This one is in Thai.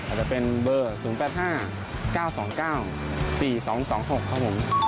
อาจจะเป็นเบอร์๐๘๕๙๒๙๔๒๒๖ครับผม